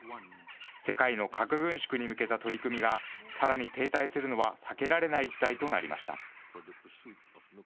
世界の核軍縮に向けた取り組みがさらに停滞するのは避けられない事態となりました。